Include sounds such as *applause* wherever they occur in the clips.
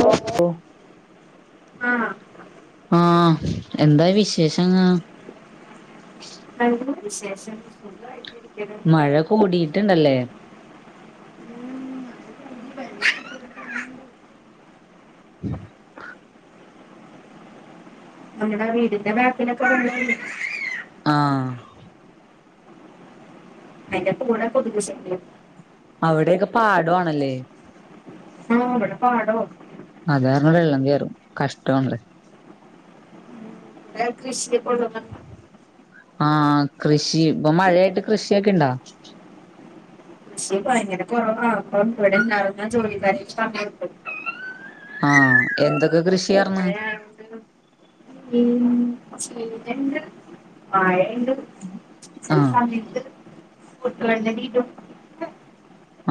*inaudible* ആഹ് ആഹ് എന്താ വിശേഷെന്താ? അവിടെന്താ വിശേഷം സുഖായിട്ടിരിക്കണ് മഴ കൂടിയിട്ടുണ്ടല്ലേ ഉം മഴ *inaudible* നമ്മടെ വീടിന്റെ ബാക്കിലൊക്കെ ഉണ്ടേന്ന് ആഹ് അയിന്റെ കൂടെ കൊതുക് ശല്യം അവിടെയൊക്കെ പാടൊവാണല്ലേ ആഹ് ഇവടെ പാടോ അത് കാരണം വെള്ളം കേറും കഷ്ട്ടാണ് ലെ. ഇങ്ങള് കൃഷിയൊക്കള്ളൊരാ? ആഹ് കൃഷി ഇപ്പൊ മഴയായിട്ട് കൃഷിയൊക്കെ ഇണ്ടോ? പക്ഷെ ഭയങ്കര കൊറവാപ്പം ഇവിടെണ്ടാർന്ന ജോലിക്കാരിക്ക് ആഹ് എന്തൊക്കെ കൃഷിയാർന്ന്? പിന്നെ പിന്നെണ്ട് വാഴണ്ട് ചെല ആഹ് സമയത്ത് കുട്ടിളെന്നെ വീട്ടും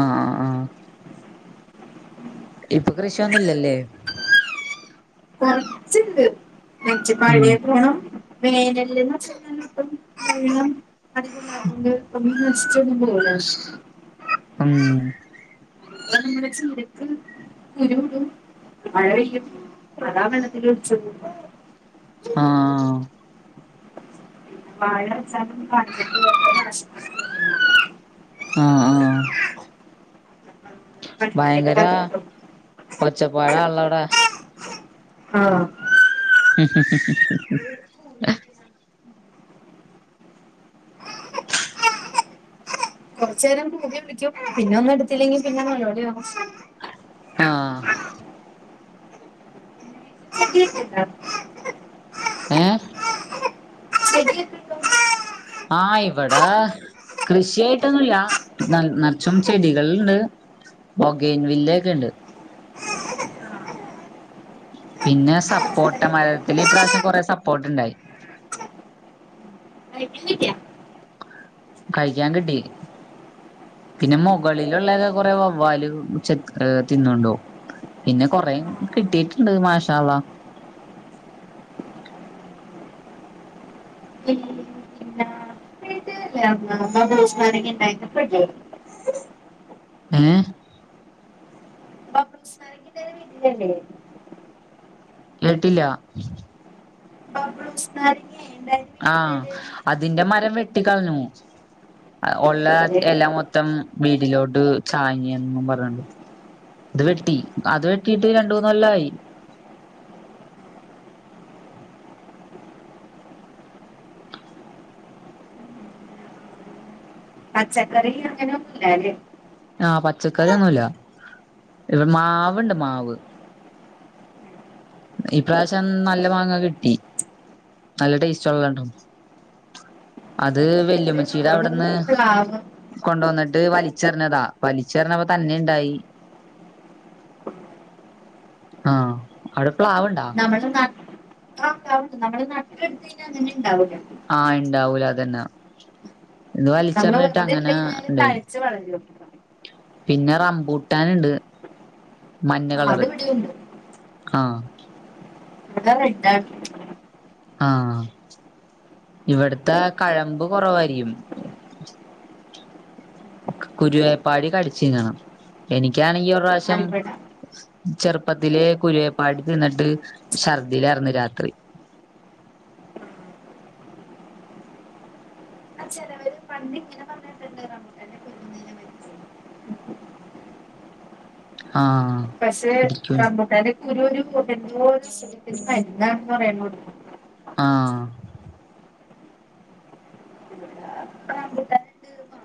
ആഹ് ആഹ് ആഹ് ഇപ്പൊ കൃഷിയൊന്നുല്ലല്ലേ? കൊറച്ച്ണ്ട് എന്നച്ച് ഉം മഴയെക്കെ വേണം. വേനല്ന്ന്ച്ചാ ഇപ്പം വെള്ളം അധികം ഇല്ലാത്തോണ്ട് *unintelligible* *unintelligible* അം *unintelligible* നിരക്ക് ഇരുവ്ടും മഴ പെയ്യും അതാ വെള്ളത്തിലൊലിച്ചു പോകും. ആഹ് വാഴവെച്ചാലും *inaudible* ആഹ് ആഹ് പണിക്കാരെയൊക്കെ ഭയങ്കരാ പറഞ്ഞോട്ടും ഒച്ചപ്പാടാണല്ലോവടെ? ആഹ് മ് മ് ഹ് ഹ് കൊറച്ചേരം കൂകി വിളിക്കും പിന്നാ ഒന്നെടുത്തില്ലെങ്കി പിന്നെ നെലോളിയാവും. ആഹ് ചെടിയക്കെണ്ടോ? ഏഹ് ചെടിയക്കെണ്ടോ? ആഹ് ഇവടെ കൃഷിയായിട്ടൊന്നുല്ല ന നറച്ചും ചെടികള്ണ്ട്. ഭോഗൈൻ വില്ലയൊക്കെണ്ട്. പിന്നെ സപ്പോട്ട മരത്തില് ഇപ്രാവശ്യം കൊറെ സപ്പോട്ടണ്ടായി. കയിക്കാൻ കിട്ടിയാ? കഴിക്കാൻ കിട്ടി. പിന്നെ മുകളിലുള്ളക്കെ കൊറെ വവ്വാല് ചെ ഹേ തിന്നണ്ടോവും. പിന്നെ കൊറെ കിട്ടിയിട്ടുണ്ട് മാഷാ അള്ളാ. *unintelligible* വീട്ടിലല്ലേ *unintelligible* ഏഹ് *unintelligible* *unintelligible* കേട്ടില്ല? ബബൾസ് നാരങ്ങേ എന്തായി? ആഹ് അതിന്റെ മരം വെട്ടി കളഞ്ഞു. ഒള്ള അതെ. എല മൊത്തം വീട്ടിലോട്ട് ചാഞ്ഞ് പറഞ്ഞോണ്ട്. ഇത് വെട്ടി അത് വെട്ടിട്ട് രണ്ട് മൂന്നൊല്ലായി. പച്ചക്കറി അങ്ങനെ ഒന്നും ല്ലാല്ലേ? ആഹ് പച്ചക്കറിയൊന്നുല്ല ഇവ്ടെ മാവ്ണ്ട് മാവ്. ഈ പ്രാവശ്യം നല്ല മാങ്ങ കിട്ടി നല്ല ടേസ്റ്റുള്ള രണ്ടണം അത് വല് ഇവിടെ ഉണ്ട് ഇന്റമ്മച്ചീട മാവ് അവിടുന്ന് പ്ലാവ് കൊണ്ടോന്നിട്ട് വലിച്ചെറിഞ്ഞതാ. പലിച്ചെറിഞ്ഞപ്പോ തന്നെ ഇണ്ടായി ആഹ് അവ്ടെ പ്ലാവ്ണ്ടാ. നമ്ടെ നട്ടാണ്ടാവും നമ്മള് നട്ടെടു ത്തീനെ അങ്ങനെ ഇണ്ടാവൂല. ആഹ് ഇണ്ടാവൂല അതന്നെ. ഇന്ന് നമ്മള് വലിച്ചെറിഞ്ഞിട്ട് വെറുതെ ഇട്ട് അങ്ങനെ കഴിഞ്ഞാല് ഇണ്ടായി. തഴച്ച് വളരും പിന്നെ റമ്പൂട്ടാന്ണ്ട് മഞ്ഞ ആ, അത് കളറ്. ഇവിടെ ഉണ്ട് ആ ഇവ്ടെ റെഡ്ഡാണ്. ആ ഇവിട്ത്തെ കഴമ്പ് കൊറവായിരിക്കും. കുരുവേപ്പാടി കടിച്ചിന്നണം. എനിക്കാണെങ്കി ഒരുറാശ്യം. ആയിക്കോട്ടെ ചെറുപ്പത്തിലെ കുരുവപ്പാടി തിന്നിട്ട് ഛർദിലാർന്ന് രാത്രി. അ ച്ചെലവര് പണ്ടി ഇങ്ങനെ പറഞ്ഞിട്ടുണ്ട റമ്പുട്ടന്റെ *unintelligible* ആഹ് പക്ഷെ പിടിക്കും റമ്പുട്ടാൻന്റെ കുരു ഒരു *unintelligible* മരുന്നാണ് പറയൻ ആ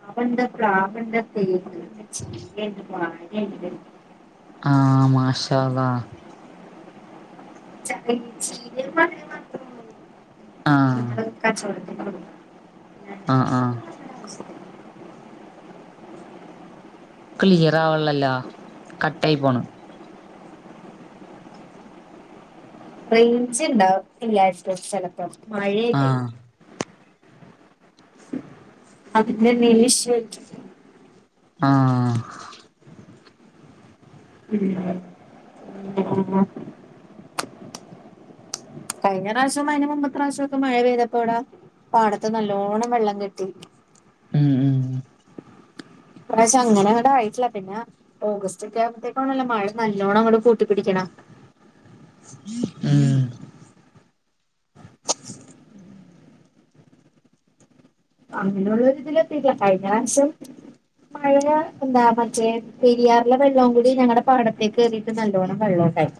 മാവ്ണ്ട്, പ്ലാവ്ണ്ട്, തേക്ക്ണ്ട്, ചീരണ്ട്, വാഴണ്ട് ആഹ് മാഷാഅള്ളാഹ് ച ചീര ആഹ് *unintelligible* കച്ചവടത്തിന് കൊടുക്കഹ് ആ ആ ക്ലിയർ ആവ്ള്ളല്ലോ കട്ടായി പോണ്. റേയ്ഞ്ച് ഇണ്ടാവു. എല്ലായിടത്തും ചെലപ്പം മഴെറ്റ ആഹ് അതിന്റെ നിലിഷത്ത് ആഹ് *unintelligible* കഴിഞ്ഞ പ്രാവശ്യം അയ്ന്റെ മുമ്പത്തെ പ്രാശ്യാെക്കെ മഴ പെയ്തപ്പോ ഇവ്ടാ പാടത്ത് നല്ലോണം വെള്ളം കെട്ടി. ഉം ഉം ഇപ്രാവശം അങ്ങനെങടായിട്ടില്ല പിന്നെ ഓഗസ്റ്റ് ഒക്കെ ആകുമ്പോത്തേക്കാണല്ലോ മഴ നല്ലോണ്ണം ഇങ്ങട് കൂട്ടിപ്പിടിക്ണ്. ഉം അങ്ങനെയുള്ള ഇതിലെത്തീട്ട്ല്ല കഴിഞ്ഞറാശ്യം മഴ എന്താ മറ്റേ പെരിയാറിലെ വെള്ളം കൂടി ഞങ്ങടെ പാടത്ത് ത്തേക്ക് ഇതിക്ക് നല്ലോണ്ണം വെള്ളോണ്ടായി.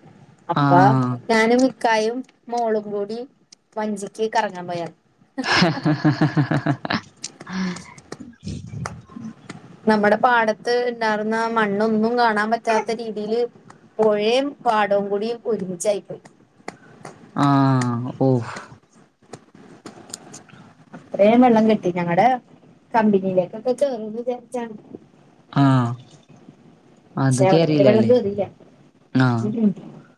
അപ്പാ ആഹ് ഞാനും കായും മോളും കൂടി വഞ്ചീക്ക് കറങ്ങാൻ പോയാൽ *inaudible* നമ്മടെ പാടത്ത് ഇണ്ടാർന്ന മണ്ണൊന്നും കാണാൻ പറ്റാത്ത രീതീല് പൊഴേം പാടം കൂടിം ഒരുമിചായിപ്പോയി ആ ഓഫ് അത്രേം വെള്ളം കെട്ടി ഞങ്ങളടെ കമ്പനിയിലേക്കൊക്കെ കെറുന്ന് വിചാരിച്ചാണ്. ആഹ് അത് ക്ഷെ അവടെവരെ വെള്ളം കേറിയില്ലല്ലേ കേറില. ആഹ് ഉം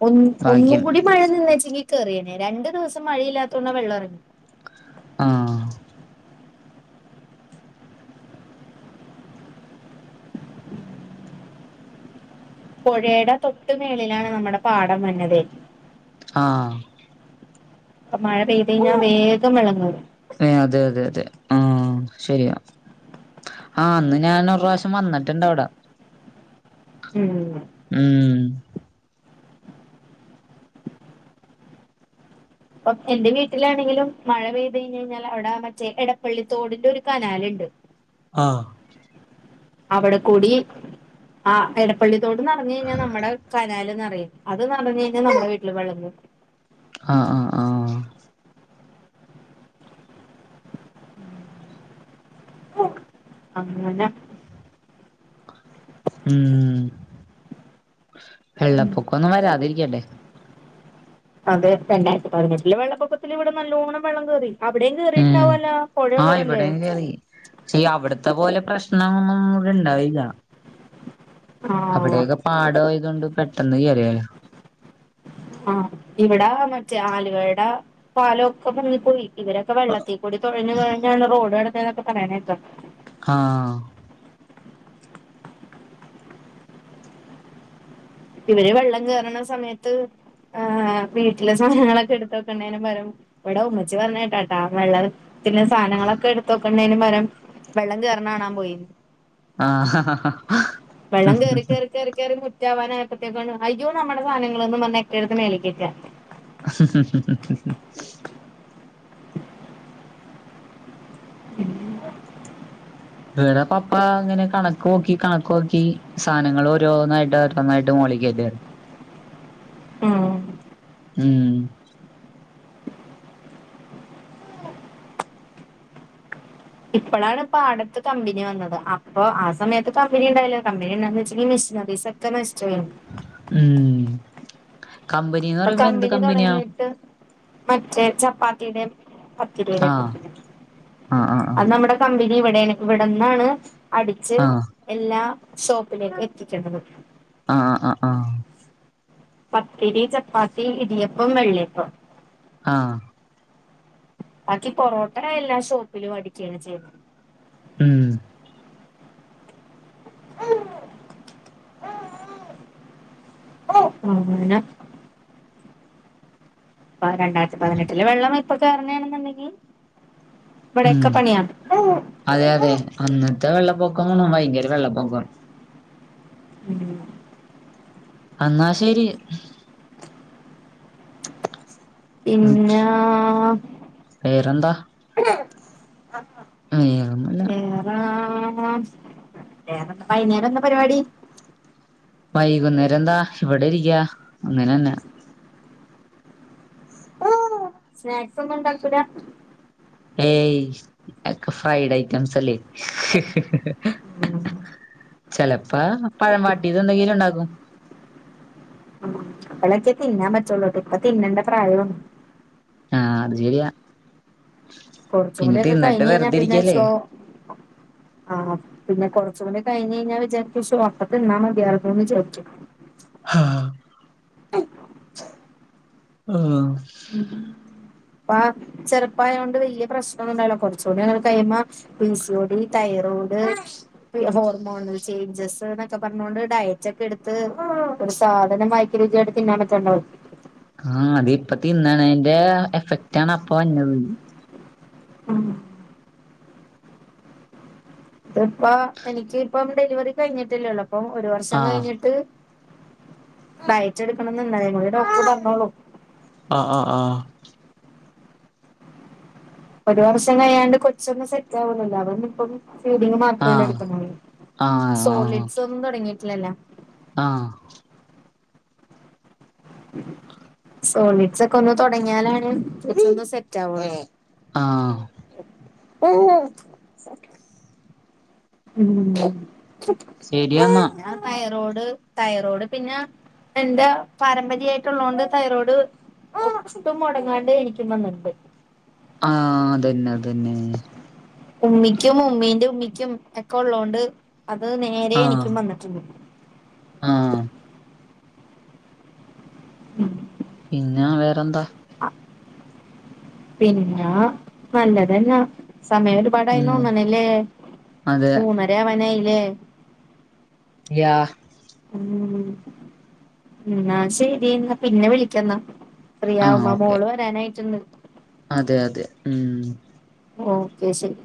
ഒന്ന് ഭാഗ്യം ഒന്നുംകൂടി മഴ നിന്നെച്ചെങ്കി കേറീനി രണ്ട് ദിവസം മഴയില്ലാത്തൊണ്ടവെള്ള എറങ്ങി. ആഹ് പൊഴേടെ തൊട്ട് മേളിലാണ് നമ്മടെ പാടം വര്നത്. ആഹ് പ്പ മഴ പെയ്തഴിഞ്ഞ വേഗം വെള്ളം കേറും. ഏഹ് അത് അത് അതെ ആഹ് ശരിയാ. ആഹ് അന്ന് ഞാന് ഒരുറാശ്യം വന്ന്ട്ട്ണ്ട് അഒടെ. ഉം ഉം പ്പം എന്റെ വീട്ടിലാണെങ്കിലും മഴ പെയ്ത് കഴിഞ്ഞഴിഞ്ഞാൽ അവടെ മറ്റേ എടപ്പള്ളിത്തോടിന്റെ ഒര് കനാല്ണ്ട്. ആഹ് അവടെ കൂടി ആഹ് എടപ്പള്ളിത്തോട് ന്നർഞ്ഞയ്ഞ്ഞാ നമ്മടെ കനാൽന്നറിം. അത് നറഞ്ഞഴിഞ്ഞാ നമ്മളെ വീട്ടില് വെള്ളം കേറും. ആഹ് ആഹ് ആഹ് അങ്ങനെ ഉം ഉം വെള്ളപ്പൊക്കൊന്നും വരാതിരിക്കട്ടെ. അതെ രണ്ടായിരത്തിപതിനെട്ടിലെ വെള്ളപ്പൊക്കത്തില് ഇവടെ നല്ലോണ്ണം വെള്ളം കേറി. അവടെ ഉം കേറിട്ടണ്ടാവല്ലോ പൊഴയുള്ളതല്ലേ? ഇല്ല അവടത്തെ പോലെ പ്രശ്നൊന്നുവടെ ഇണ്ടാവില്ല. ആ അവടെയക്കെ പാടഒഴ്ക്ണ്ട് പെട്ടെന്ന് കേറിയല്ലോ. ആഹ് ഇവടെ മറ്റേ ആലുവെടെ പാലൊക്കെ മുങ്ങിപ്പോയി. ഇവരക്കെ വെള്ളത്തിൽ കൂടി തൊഴഞ്ഞ് തൊഴഞ്ഞ്ന്നപ്പം റോഡ് *unintelligible* ആഹ് ഇവരെ വെള്ളം കേറ്ണ സമയത്ത് ഏഹ് വീട്ടിലെ സാധങ്ങളൊക്കെ എട്ത്ത് വക്കണ്ടെന് പരം ഇവടെ ഉമ്മച്ചി പറഞ്ഞേട്ടെട്ടാ വെള്ളർ പിന്നെ സാനങ്ങളൊക്കെ എടുത്ത്ക്കണ്ടേന് പരം വെള്ളകേറ്ണ കാണാപോയി. ആഹ് വെള്ളം കേറി കേറി കേറി കേറി മുറ്റാവാന ആയപ്പത്തെക്കാണ് അയ്യോ നമ്മടെ സാധനങ്ങള്ന്നും പറഞ്ഞ് എക്കെടുത്ത് മേലേക്ക് കേറ്റ. ഉം ഇടെ പപ്പ ഇങ്ങനെ കണക്ക് നോക്കി കണക്ക് നോക്കി സാനങ്ങൾ ഓരോന്നായിട്ട് ഓരോന്നായിട്ട് മോളികേറ്റാര്ന്നു. ഉം ഉം ഇപ്പളാണ് പാടത്ത് കമ്പനി വന്നത് അപ്പോ ആഹ് സമയത്ത് കമ്പനി ഉണ്ടായില്ല. കമ്പനി ഉണ്ടാന്ന്ച്ച് ഈ മിഷ്നറിസ തെമസ്ട്രിയോ ഉം കമ്പനിന്ന് അപ്പൊ പറയുമ്പോ എന്ത് കമ്പനി കമ്പനിയാ? തുടങ്ങിയിട്ട് മറ്റേ ചപ്പാത്തിടെ പത്തിരിടെ ആഹ് കമ്പനി ആഹ് ആഹ് അത് നമ്മുടെ കമ്പനി ഇവടെണ് ഇവടെന്നാണ് അടിച്ച് ആഹ് എല്ലാ ഷോപ്പിലേക്കും എത്തിച്ച്ട്ണ് ആഹ് ആഹ് ആഹ് പത്തിരി, ചപ്പാത്തി, ഇടിയപ്പം, വെള്ളിയപ്പം ആഹ് ബാക്കി പൊറോട്ട എല്ലാ ഷോപ്പിലും അടിക്കാണ് ചെയ്യുന്നെ. ഉം ആന അപ്പ രണ്ടായിരത്തി പതിനെട്ടില് വെള്ളം ഇപ്പ കയറനാണെന്നുണ്ടെങ്കി ഉം ഇവടൊക്കെ പണിയാ അതെ അതെ അന്നത്തെ വെള്ളപ്പൊക്കം ണോ ഭയങ്കര വെള്ളപ്പൊക്ക പിന്നെ അന്നാ ശരി. പിന്നാ വേറെന്താ വേറൊന്നുല്ല ഏഹ് ആ വേറെന്ത വൈന്നേരം എന്നാ പരിപാടി? വൈകുന്നേരം എന്താ ഇവിടെ ഇരിക്ക അങ്ങനെന്നാ. സ്നാക്സ് ഒന്നും ഉണ്ടാക്കൂല? ഏയ് ക്ക ഫ്രൈഡ് ഐറ്റംസ് അല്ലേ? ചെലപ്പോ പഴം വാട്ടിയത് എന്തെങ്കിലും ഉണ്ടകും. ഉം ഇപ്പളൊക്കെ തിന്നാൻ പറ്റുള്ളൂ ഇപ്പ തിന്നന്റെ പ്രായ ആഹ് അത് ശരിയാ കുറച്ചും പിന്നെ കൂടിയൊക്കെ തിന്നിട്ട് കഴിഞ്ഞ് കഴിഞ്ഞാ വെറുതെരിക്കല്ലേ? *inaudible* ആഹ് പിന്നെ കൊർച്ചുടി കഴിഞ് കഴിഞ്ഞാൽ വിചാരിക്കും ശോ അപ്പ ത്തിന്നാ മതിയാര്ന്നു എന്ന് *unintelligible* ആഹ് ആഹ് ഉം പ്പ ചെറുപ്പായോണ്ട് വലിയ പ്രശ്നൊന്നുണ്ടല്ലോ കൊറച്ചുകൂടി *unintelligible* കഴിയുമ്പോ P C O T thyroid hormonal changes എന്നൊക്കെ പർഞ്ഞോണ്ട് ഡയറ്റ ഒക്കെ എടുത്ത് ഒരു സാധനം വ രുചിയായ്ട്ട് ത്തിന്നാ പറ്റ്ണ്ടാവും ആ അത് ഇപ്പ തിന്നണേന്റെ എഫക്റ്റ ആണ് അപ്പ വഞ്ഞത്. ഉം ഇപ്പ എനിക്ക് ഇപ്പം ഡെലിവറി കഴിഞ്ഞിട്ടല്ലേള്ളൂ അപ്പം ഒരു വർഷം ആഹ് കഴിഞ്ഞിട്ട് ഡയറ്റെടുക്കണന്ന്ണ്ടാർന്നു ഒര് ഡോക്ട്ർ പറഞ്ഞോളു. ആഹ് ആഹ് ആഹ് ഒരു വർഷം കഴിയാണ്ട് കൊച്ചൊന്ന് സെറ്റ് ആവുലല്ലോ അതോണ്ട്പ്പം ഫീഡിങ് മാത്രല്ല ആഹ് എടുക്കണ ആഹ് ആഹ് ആഹ് സോളിഡ്സ് ഒന്നും തുടങ്ങിട്ടില്ലല്ല. ആഹ് സോളിഡ്സ് ഒക്കെ ഒന്ന് തൊടങ്ങിയാലാണ് ഇതൊന്ന് സെറ്റ് ആവ. ആഹ് *unintelligible* പിന്നെന്താ ശരിയാന്നാ അത് തൈറോഡ് തൈറോഡ് പിന്നെ എന്റെ പാരമ്പര്യായിട്ട്ള്ളോണ്ട് തൈറോട് ഒട്ടും മൊടങ്ങാണ്ട് ഇരിക്കും വന്നിട്ട് ആഹ് അതന്നെ അതന്നെ ഉമ്മിക്കും ഉമ്മീന്റെ ഉമ്മിക്കും ഒക്കെ ഉള്ളോണ്ട് അത് നേരെ ആഹ് എനിക്കും വന്നിട്ടുണ്ട്. ആഹ് ഉം *inaudible* പിന്നെ വേറെന്താ? പിന്നെ നല്ലതന്നാ സമയ പാടായിന്ന് ഉം തോന്നണ്ല്ലേ അതെ മൂന്നര ആവാനായില്ലേ. യാ ഉം ഇന്നാ സെരി ഇന്നാ പിന്നെ വിളിക്കന്നാ. ഫ്രീ ആഹ് ആവുമ്പ ഓക്കെ മോള് വരാനായിട്ട്ണ്ട്. അതെ അതെ ഉം ഓക്കെ ശരി